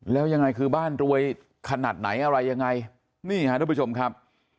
แล้วยังไงคือบ้านรวยขนาดไหนอะไรยังไงนี่ค่ะทุกผู้ชมครับ